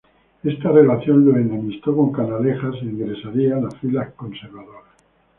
Esta relación lo enemistó con Canalejas e ingresaría en las filas conservadoras.